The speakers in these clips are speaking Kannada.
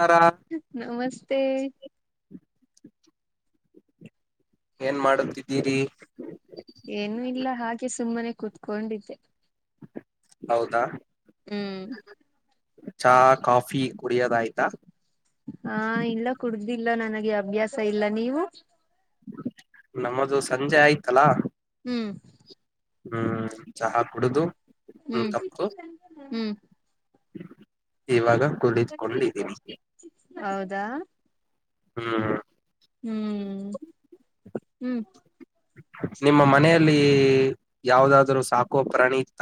ನಮಸ್ಕಾರ ನಮಸ್ತೆ ತೆ ಏನ್ ಮಾಡುತ್ತಿದ್ದೀರಿ ಏನು ಇಲ್ಲ ಹಾಗೆ ಸುಮ್ಮನೆ ಕುತ್ಕೊಂಡಿದ್ದೆ ಹೌದಾ ಹ್ಮ್ ಚಾ ಕಾಫಿ ಕುಡಿಯೋದ ಆಯ್ತಾ ಹಾ ಇಲ್ಲ ಕುಡ್ದಿಲ್ಲ ನನಗೆ ಅಭ್ಯಾಸ ಇಲ್ಲ ನೀವು ನಮ್ಮದು ಸಂಜೆ ಆಯ್ತು. ಎಲ್ಲ ಹ್ಮ್. ಹ್ಮ್ ಚಹಾ ಕುಡುದು ಹ್ಮ್ ಹ್ಮ್. ಇವಾಗ ಕುಳಿತ್ಕೊಂಡಿದ್ದೀನಿ ಹೌದಾ ಹ್ಮ್ ಹ್ಮ್. ಹ್ಮ್. ನಿಮ್ಮ ಮನೆಯಲ್ಲಿ ಯಾವ್ದಾದ್ರರು ಸಾಕು ಪ್ರಾಣಿ ಇತ್ತ.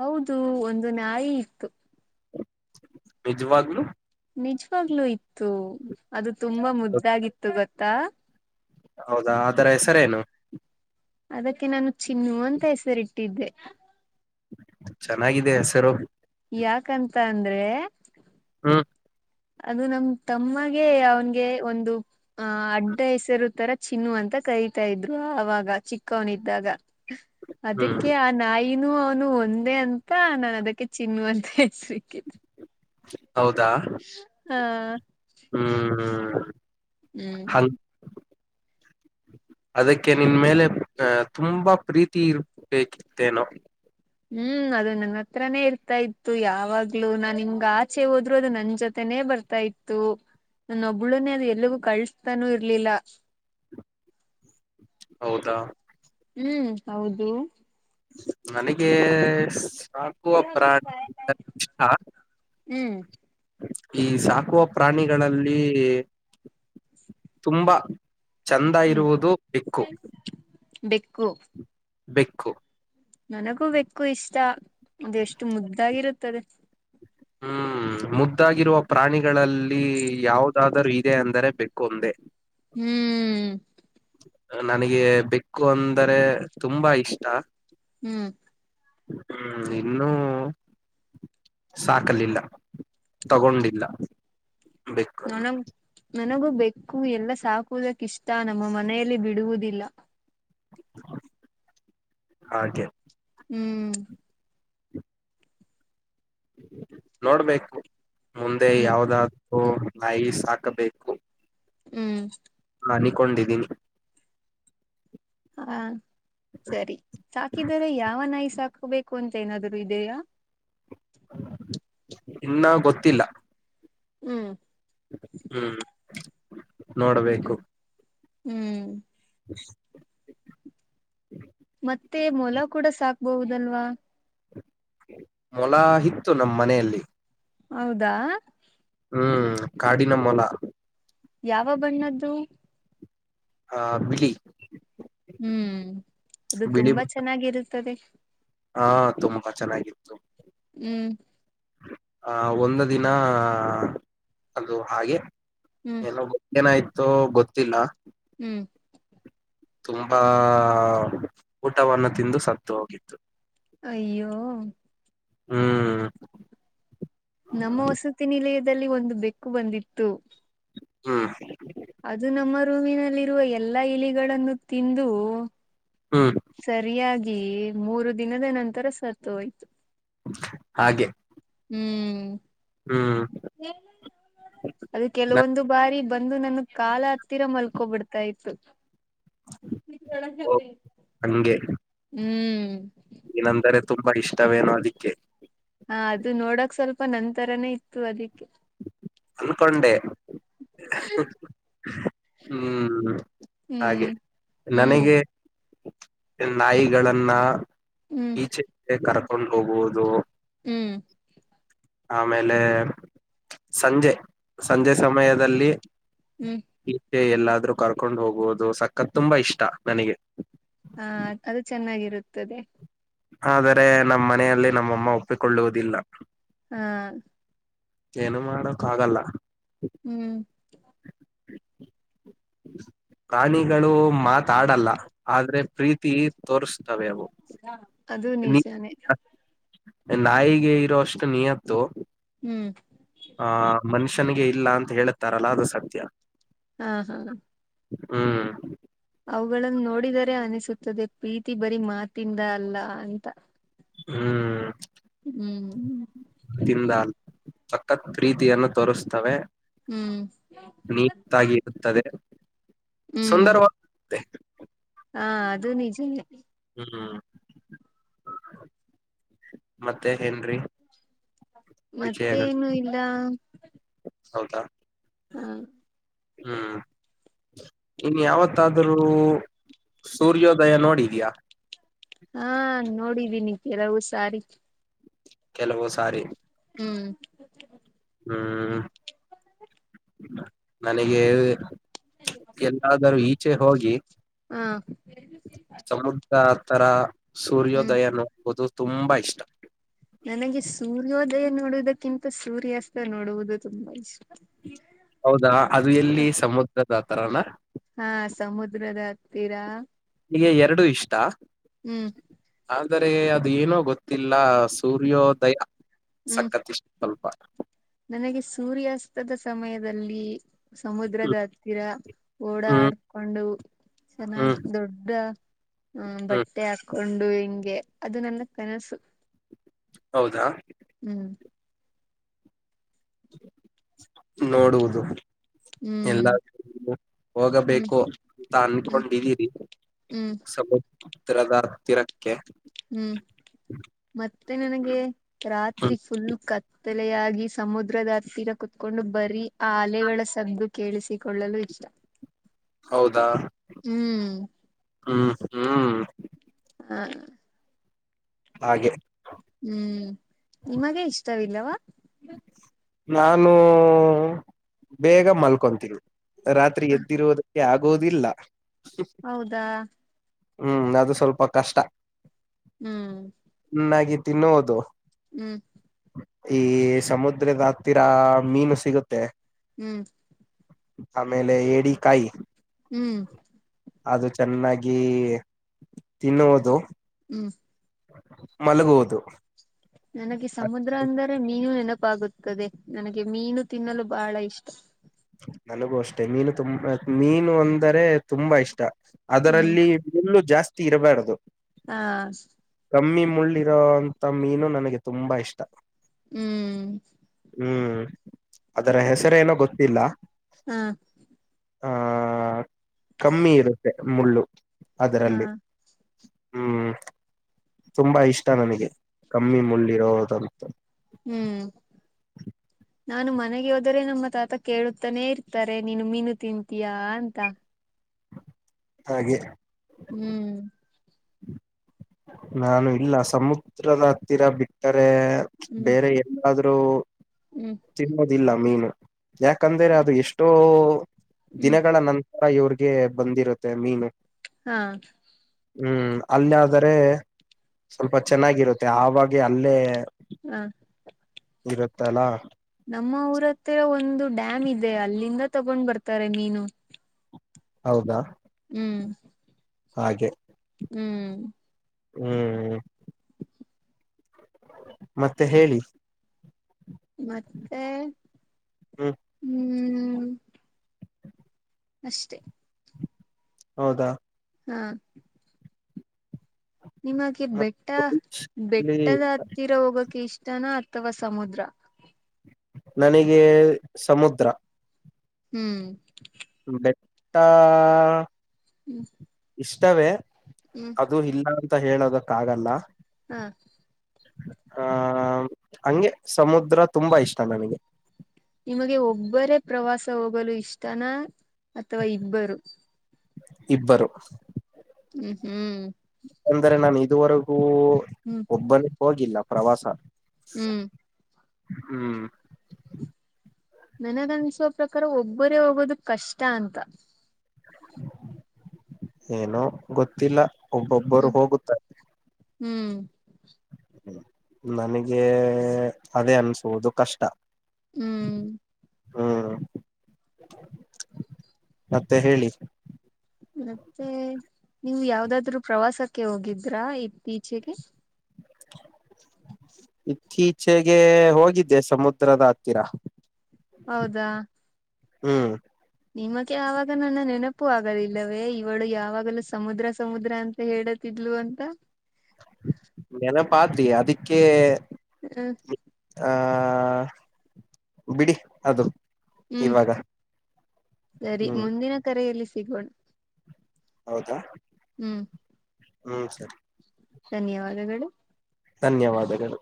ಹೌದು ಒಂದು ನಾಯಿ ಇತ್ತು. ನೀಜು ಆಗಲು ನಿಜವಾಗ್ಲೂ ಇತ್ತು ಅದು ತುಂಬಾ ಮುದ್ದಾಗಿತ್ತು ಗೊತ್ತ ತ್ತ ಹೌದಾ ಅದರ ಹೆಸರೇನು. ಅದಕ್ಕೆ ನಾನು ಚಿನ್ನು ಅಂತ ಹೆಸರಿಟ್ಟಿದ್ದೆ. ಚೆನ್ನಾಗಿದೆ ಹೆಸರು ಯಾಕಂತ ಅಂದ್ರೆ ಹ. ಅದು ನಮ ತಮ್ಮಗೆ ಅವ್ನ್ಗೆ ಒಂದು ಆಹ ಅಡ್ಡ ಹೆಸರು ತರ ಚಿನ್ನು ಅಂತ ಕರಿತಾ ಇದ್ರು ಆಗ ಚಿಕ್ಕವನ್ದಾಗ ಹ್ಮ್ ಅದಕ್ಕೆ ಆ ನಾಯಿ ನೀನು ಅವನು ಒಂದೇ ಅಂತ ನಾನ ಅದಕ್ಕೆ ಚಿನ್ನು ಅಂತ ಹೆಸ ಸಿಕ್ಕಿದ. [inaudible] ಹೌದಾ. ಹಾ ಹ. ಹ್ಮ್. ಅದಕ್ಕೆ ನಿನ್ ಮೇಲೆ ಅ ತುಂಬಾ ಪ್ರೀತಿ ಇರ್ಬೇಕಿತ್ತೇನೋ. ಹ್ಮ್ ಅದು ನನ್ನ ಹತ್ರನೇ ಇರ್ತಾ ಇತ್ತು ಯಾವಾಗ್ಲುೂ ನಾನ್ ಹಿಂಗ ಆಚೆ ಹೋದ್ರು ಅದು ನನ್ ಜೊತೆನೇ ಬರ್ತಾ ಇತ್ತು ನನ್ನ ಒಬ್ಳುನ ಅದು ಎಲ್ಗೂ ಕಳ್ಸ್ತಾನೂ ಇರ್ಲಿಲ್ಲ. ಹೌದಾ. ಹ್ಮ್ ಹೌದು. ನನಗೆ ಕಾಕುವ ಪ್ರಾಣ ಹ್ಮ್. ಈ ಸಾಕುವ ಪ್ರಾಣಿಗಳಲ್ಲಿ ತುಂಬಾ ಚಂದ ಹ್ಮ್ ಇರುವುದು ದಿಕ್ಕು ಬೆಕ್ಕು ಬೆಕ್ಕು ನನಗೂ ಬೆಕ್ಕು ಇಷ್ಟ. ಅದೆ ಎಷ್ಟು ಮುದ್ದಾಗಿರುತ್ತದೆ. ಹ್ಮ್ ಮುದ್ದಾಗಿರುವ ಪ್ರಾಣಿಗಳಲ್ಲಿ ಯಾವದಾದರೂ ಇದೆ ಅಂದರೆ ಬೆಕ್ಕು ಒಂದೇ ಹ್ಮ್ ನನಗೆ ಬೆಕ್ಕು ಅಂದರೆ ತುಂಬಾ ಇಷ್ಟ ಹ್ಮ್ ಹ್ಮ್ ಇನ್ನೂ ಸಾಕಲಿಲ್ಲ ತಗೊಂಡಿಲ್ಲ ಬೆಕ್ಕನ್ನು ನನಗ ನನಗೂ ಬೇಕು ಎಲ್ಲ ಸಾಕುವುದಕ್ಕ ಇಷ್ಟ ನಮ್ಮ ಮನೆಯಲ್ಲಿ ಬಿಡುವುದಿಲ್ಲ ಹಾಗೆ ಹ್ಮ್ ನೋಡ್ಬೇಕು ಮುಂದೆ ಹ್ಮ್ ಯಾವದಾದ ನಾಯಿ ಸಾಕಬೇಕು ಹ್ಮ್ ಅನ್ ಕೊಂಡಿದ್ದೀನಿ ಹಾ ಸರಿ ಸಾಕಿದರೆ ಯಾವ ನಾಯಿ ಸಾಕು ಹಾಕಬೇಕು ಅಂತ ಏನಾದ್ರು ಇದೆಯಾ ಇನ್ನೂ ಗೊತ್ತಿಲ್ಲ ಹ್ಮ್ ಹ್ಮ್ ನೋಡಬೇಕು ಹ್ಮ್ ಮತ್ತೆ ಮೊಲ ಕೂಡ ಸಾಕ್ಬಹುದಲ್ವಾ ಮೊಲ ಇತ್ತು ನಮ್ಮ ಮನೆಯಲ್ಲಿ ಹೌದಾ ಹ್ಮ್ ಕಾಡಿನಮ್ಮಲ ಯಾವ ಬಣ್ಣದ್ದು ಆ ಬಿಳಿ ಹ್ಮ್ ಅದು ಬಿಳಿ ತುಂಬಾ ಬಣ್ಣ. ಚೆನ್ನಾಗಿರುತ್ತ ತ್ತದೆ ಹಾ ತುಂಬಾ ಚೆನ್ನಾಗಿತ್ತು ಹ್ಮ್ ಆ ಒಂದು ದಿನ ಅದು ಹಾಗೆ ಹ್ಮ್ ಏನೋ ಆಯ್ತು ಗೊತ್ತಿಲ್ಲ ಹ್ಮ್ ತುಂಬಾ ಊಟವನ್ನು ತಿಂದು ಸತ್ತು ಹೋಗಿತ್ತು ಅಯ್ಯೋ ಹ್ಮ್ ನಮ್ಮ ವಸತಿ ನಿಲಯ ದಲ್ಲಿ ಒಂದು ಬೆಕ್ಕು ಬಂದಿತ್ತು ಹ್ಮ್ ಅದು ನಮ್ಮ ರೂಮಿನಲ್ಲಿರುವ ಎಲ್ಲಾ ಇಲಿಗಳನ್ನು ತಿಂದು ಹ್ಮ್ ಸರಿಯಾಗಿ ಮೂರು ದಿನದ ನಂತರ ಸತ್ತು ಹೋಯ್ತು ಹಾಗೆ ಹ್ಮ್ ಹ್ಮ್ ಅದು ಕೆಲವೊಂದು ಬಾರಿ ಬಂದು ನನ್ ಕಾಲ ಹತ್ತಿರ ಮಲ್ಕೋಬಿಡ್ತಾ ಇತ್ತು ಹೇ [inaudible] ನನ್ಗೂ [unintelligible] ಹಂಗೆ ಹ್ಮ್ ನೀನಂದರೆ ತುಂಬಾ ಇಷ್ಟವೇನೋ ಅದಿಕ್ಕೆ ಹಾ ಅದು ನೋಡಕ್ ಸ್ವಲ್ಪ ನನ್ ತರಾನೇ ಇತ್ತು ಅದಿಕ್ಕೆ ಅನ್ಕೊಂಡೆ [inaudible] ಹ್ಮ್ ಹ್ಮ್ ಹಾಗೆ ಹ್ಮ್ ನನಗೆ ನಾಯಿಗಳನ್ನ ಹ್ಮ್ ಈಚೆಗೆ ಕೊಂಡು ಹೋಗುವುದು ಹ್ಮ್ ಆಮೇಲೆ ಸಂಜೆ ಸಂಜೆ ಸಮಯದಲ್ಲಿ ಹ್ಮ್ ಈಚೆ ಎಲ್ಲಾದ್ರೂ ಕರ್ಕೊಂಡ್ ಹೋಗುವುದು ಸಕ್ಕತ್ ತುಂಬಾ ಇಷ್ಟ ನನಗೆ ಹಾ ಅದು ಚೆನ್ನಾಗಿರುತ್ತದೆ ಆದರೆ ನಮ್ಮ ಮನೆಯಲ್ಲಿ ನಮ್ಮಮ್ಮ ಒಪ್ಪಿಕೊಳ್ಳುವುದಿಲ್ಲ ಹಾ ಏನು ಮಾಡೋಕ್ ಆಗಲ್ಲ ಹ್ಮ್ ಪ್ರಾಣಿಗಳು ಮಾತಾಡಲ್ಲ ಆದ್ರೆ ಪ್ರೀತಿ ತೋರ್ಸ್ ತ್ತವೆ ಅವು ಅದು ನೀ ನಿಜಾನೇ ನಾಯಿಗೆ ಇರೋ ಅಷ್ಟು ನಿಯತ್ತು ಹ್ಮ್ ಆ ಮನುಷ್ಯನಿಗೆ ಇಲ್ಲ ಅಂತ ಹೇಳುತ್ತಾರಲ್ಲ ಅದು ಸತ್ಯ ಹಾ ಹಾ ಹ್ಮ್ ಅವುಗಳನ್ನು ನೋಡಿದರೆ ಅನಿಸುತ್ತದೆ ಪ್ರೀತಿ ಬರೀ ಮಾತಿಂದ ಅಲ್ಲ ಅಂತ ಹ್ಮ್ ಹ್ಮ್ ದಿಂದ [inaudible] ಸಕ್ಕತ್ ಪ್ರೀತಿಯನ್ನು ತೋರಿಸ್ತವೆ ಹ್ಮ್ ನಿಯತ್ತಾಗಿ ಇರುತ್ತದೆ ಹ್ಮ್ ಸುಂದರವಾಗುತೇ. [inaudible] [unintelligible] [inaudible] ಹಾ, ಅದು ನಿಜನೇ. [inaudible] ಹ್ಮ್, ಮತ್ತೆ ಏನ್ರಿ? [inaudible] ವಿಷಯಗಳು ಮತ್ತೇನು, ಇಲ್ಲ. [inaudible] [unintelligible] [inaudible] ಹೌದಾ. [inaudible] ಹಾ.... [inaudible] ಹ್ಮ್, ಇನ್, ಯಾವತ್ತಾದ್ರೂ! ಸೂರ್ಯೋದಯ, ನೋಡಿಧಿಯಾ? [inaudible] ಹಾ, ನೋಡಿದೀನಿ, ಕೆಲವು ಸಾರಿ. [inaudible] ಕೆಲವು, ಸಾರಿ. [inaudible] ಹ್ಮ್... [inaudible] ಹ್ಮ್, ನನಗೆ. [unintelligible] ಎಲ್ಲಾದರೂ, ಈಚೆ, ಹೋಗಿ ಹಾ ಸಮುದ್ರ, ತರ. [unintelligible] ಸೂರ್ಯೋದಯ, ನನಗೆ, ಗೋಧೂಧು. [inaudible] ತುಂಬಾ, ಇಷ್ಟ. [inaudible] ನನಗೆ, ಸೂರ್ಯೋದಯ, ನೋಡುವುದಕ್ಕಿಂತ ಸೂರ್ಯಾಸ್ತ, ನೋಡುವುದು ತುಂಬಾ ಇಷ್ಟ. [inaudible] ಹೌದಾ, ಅದು, ಎಲ್ಲಿ ಸಮುದ್ರ. [inaudible] ಅತರಣ. [inaudible] ಹಾ, ಸಮುದ್ರದ, ಹತ್ತಿರ. [inaudible] ಇಗೆ, ಎರಡು ಇಷ್ಟ, ಅ. ಹ್ಮ್ [inaudible] ಅಂದರೇ,, ಅದು ಏನೋ ಗೊತ್ತಿಲ್ಲ! ಸೂರ್ಯೋದಯ. [inaudible] ಹ್ಮ್ ಸಾಕಾಯ್ತು, ಇಷ್ಟ, ನಾಮ್, ಅಪ್ಪಾ. [inaudible] ನನಗೆ, ಸೂರ್ಯಾಸ್ತದ, ಸಮಯದಲ್ಲಿ. [inaudible] ಸಮುದ್ರದ, ಹ್ಮ್ ಹತ್ತಿರ, ಓಡ ಹ್ಮ್ ಆಡ್ಕೊಂಡು, ಹ್ಮ್ ಚೆನ್ನಾಗಿ ದೊಡ್ಡು, ಅ, ಹೂಮ್, ಹ್ಮ್ ಬಟ್ಟೆ ಹಾಕೊಂಡು. [inaudible] ಕೊಂಡು, ಹೆಂಗೆ, ಅದು ನನ್ನ ಕನಸು. [inaudible] ಹೌದಾ. [inaudible] ಹ್ಮ್ ನೋಡುವುದು.. [unintelligible] ಎಲ್ಲ, ಹ್ಮ್ ಹ್ಮ್ ಹೋಗಬೇಕು, ಅಂತ ಹ್ಮ್ ಅನ್ಕೊಂಡಿದ್ದೀರಿ, ಹ್ಮ್ ಸಮಯ. [unintelligible] ತ್ರರ, ಬರುಬರ್ಧೂ, ತಿರ. [inaudible] ಹ್ಮ್, ಮತ್ತೆ ನನಗೆ, ರಾತ್ರಿ ಹ್ಮ್ ಫುಲ್ ಕಥೆ. [inaudible] ಅಲೆಯಾಗಿ, ಸಮುದ್ರದ ಹತ್ತಿರ ಕುತ್ಕೊಂಡು ಬರೀ, ಆ ಅಲೆಗಳ ಸದ್ದು. ಕೇಳಿಸಿಕೊಳ್ಳಲು, ಇಷ್ಟ. [inaudible] ಹೌದಾ. [unintelligible] ಹ್ಮ್... [inaudible] ಹೂಹೂ. [unintelligible] ಹಾ.. [unintelligible] ಹಾಗೆ.... [inaudible] ಹ್ಮ್, ನಿಮಗೆ, ಇಷ್ಟವಿಲ್ಲವಾ. [inaudible] ನಾನು ಬೇಗ ಮಲ್ಕೊಂತೀನಿ ರಾತ್ರಿ ಹ ಎದ್ದಿರುವುದು ಆಗೋದಿಲ್ಲ ಹೌದಾ ಹ್ಮ್ ಅದು ಸ್ವಲ್ಪ ಕಷ್ಟ. ಹ್ಮ್ ಚೆನ್ನಾಗಿ ತಿನ್ನೋದು ಹ್ಮ್ ಈ ಸಮುದ್ರದ ಹತ್ತಿರ ಮೀನು ಸಿಗುತ್ತೆ. ಹ್ಮ್ ಆಮೇಲೆ ಏಡಿಕಾಯಿ. ಹ್ಮ್ ಅದು ಚೆನ್ನಾಗಿ ತಿನ್ನುವುದು ಹ್ಮ್ ಮಲಗುವುದು. ನನಗೆ ಸಮುದ್ರ ಅಂದರೆ ಮೀನು ನೆನಪು. ತಪ್ಪಾಗುತ್ತದೆ ನನಗೆ ಮೀನು ತಿನ್ನಲು ಬಹಳ ಇಷ್ಟ. ನನಗೂ ಅಷ್ಟೆ ಮೀನು ತುಂಬ ಮೀನು ಅಂದರೆ ತುಂಬಾ ಇಷ್ಟ. ಹ್ಮ್ ಅದರಲ್ಲಿ ಮಳ್ಳು ಜಾಸ್ತಿ. ತೀರಬಾರದು ಹಾ ಕಮ್ಮಿ ಮುಳ್ಳಿರೋಂತ ಮೀನು ನನಗೆ ತುಂಬಾ ಇಷ್ಟ. ಹ್ಮ್ ಹ್ಮ್ ಅದರ ಹೆಸರೇಏನೋ ಗೊತ್ತ. ಇಲ್ಲ. ಹ್ಮ ಆ ಕಮ್ಮಿ ಇರುತ್ತೆ. ಮುಳ್ಳು ಹಾ ಅದರಲ್ಲಿ. ಹ್ಮ್ ತುಂಬಾ ಇಷ್ಟ ನನಗೆ ಕಮ್ಮಿ ಮುಳ್ಳಿರೋದಂತೂ. ಹ್ಮ್ ನಾನು ಮನೆಗೆ ಹೋದರೆೆ ನಮ್ಮ ತಾತ ಕೇಳುತ್ತಾನೇ ಇರ್ತಾರೆ ನೀನು ಮೀನು ತಿಂತೀಯಾ- ಅಂತ. ಹಾಗೆ ಹ್ಮ್ ನಾನು ಇಲ್ಲ ಸಮುದ್ರದ ಹತ್ತಿರ ಬಿಟ್ಟರೆ ಹ್ಮ್ ಬೇರೆ ಎಲ್ಲಾದರೂ ಅ ಹ್ಮ್ ತಿನ್ನದ ಇಲ್ಲ ಮೀನು ಯಾಕಂದ್ರೆ ಅದು ಎಷ್ಟೋ ಹ್ಮ್ ದಿನಗಳ ನನ್ತರ ಇವ್ರಿಗೆ ಬಂದಿರುತ್ತೆ ಮೀನು ಹಾ ಹ್ಮ್ ಅಲ್ಲಾದರೆ ಸ್ವಲ್ಪ ಚೆನ್ನಾಗಿರುತ್ತೆ ಆವಾಗ್ಲೇ ಅಲ್ಲೇ ಹ ಇರುತ್ತಲಾ ನಮ್ಮ ಊರ ಹತ್ತಿ ಒಂದು ಡ್ಯಾಮ್ ಇದೆ ಅಲ್ಲಿಂದ ತಗೊಂಡ್ ಬರ್ತಾರೆ ಮೀನು ಹೌದಾ ಹ್ಮ್ ಹಾಗೆ ಹ್ಮ್ ಹ್ಮ್ ಮತ್ತೆ ಹೇಳಿ ಮತ್ತೆ ಹ್ಮ್ ಹ್ಮ್ ಅಷ್ಟೇ ಹೌದಾ ಹಾ ನಿಮಗೆ ಬೆಟ್ಟ ಅಲ್ಲಿ ಬೆಟ್ಟದ ಹತ್ತಿರ ಹೋಗಕ್ಕೆ ಇಷ್ಟ ಟ್ಟನ ಅಥವಾ ಸಮುದ್ರ ನನಗೆ ಸಮುದ್ರ ಹ್ಮ್ ಬೆಟ್ಟಾ ಹ್ಮ್ ಇಷ್ಟವೇ ಹ್ಮ್ ಅದು ಇಲ್ಲ ಹೇಳೋದಕ್ಕ ಆಗಲ್ಲ ಹಾ ಹಾ ಹಂಗೆ ಸಮುದ್ರ ತುಂಬಾ ಇಷ್ಟ ನನಗೆ ನಿಮಗೆ ಒಬ್ಬರೇ ಪ್ರವಾಸ ಹೋಗಲು ಇಷ್ಟನ ಅಥವಾ ಇಬ್ಬರು ಇಬ್ಬರು ಹ್ಮ್ ಹ್ಮ್ ಅಂದ್ರೆ ನಾನನ್ ಇದುವರೆಗೂ ಹ್ಮ್ ಒಬ್ಬಲ್ಲಿ ಹೋಗಿಲ್ಲ ಪ್ರವಾಸ ಹ್ಮ್ ಹ್ಮ್ ನನಗನ್ಸೋ ಪ್ರಕಾರ ಒಬ್ಬರೇ ಹೋಗೋದ ಕಷ್ಟ ಅಂತ ಏನೋ ಗೊತ್ತಿಲ್ಲ ಒಬ್ಬೊಬ್ಬರು ಹ್ಮ್ ಹೋಗುತ್ತಾರೆ ಹ್ಮ್ ನನಗೆ ಅದೇ ಅನ್ಸುದು ಕಷ್ಟ ಹ್ಮ್ ಹ್ಮ್ ಮತ್ತೆ ಹೇಳಿ ಮತ್ತೆ ನೀವು ಯಾವ್ದಾದ್ರು ಪ್ರವಾಸಕ್ಕೆ ಹೋಗಿದ್ರಾ ಇತ್ತೀಚೆಗೆ ಇತ್ತೀಚೆಗೆ ಹೋಗಿದ್ದೆ ಸಮುದ್ರದ ಹತ್ತಿರ ಹೌದಾ ಹ್ಮ್ ನಿಮಕ್ಕೆ ಆವಾಗ ನನ್ನ ನೆನಪು ಆಗದಿಲ್ಲವೇ ಇವಳು ಯಾವಾಗಲೂ ಸಮುದ್ರ ಸಮುದ್ರ ಅಂತ ಹೇಳತಿದ್ಲು ಅಂತ ನೆನಪಾತಿಯ ಅದಿಕ್ಕೆ ಹ್ಮ್ ಹ ಹ ಬಿಡಿ ಅದು ಹ್ಮ್ ಇವಾಗ ಸರಿ ಹ್ಮ್ ಮುಂದಿನ ಕರೆಯಲ್ಲಿ ಸಿಗಣ ಹೌದಾ ಹ್ಮ್ ಹ್ಮ್ ಸರಿ ಧನ್ಯವಾದಗಳು ಧನ್ಯವಾದಗಳು